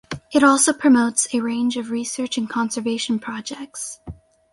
It also promotes a range of research and conservation projects.